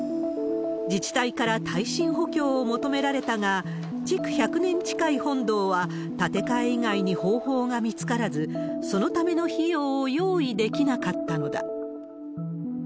自治体から耐震補強を求められたが、築１００年近い本堂は、建て替え以外に方法が見つからず、そのための費用を用意できなかったのだ。